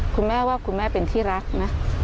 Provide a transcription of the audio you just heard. คุณแม่ว่าคุณแม่เป็นที่รักไหม